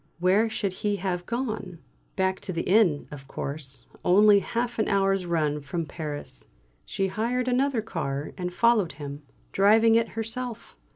Where should he have gone? Back to the inn, of course, only half an hour's run from Paris. She hired another car and followed him, driving it herself.